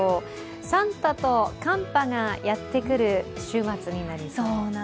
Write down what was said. サンタと寒波がやってくる週末になりそう。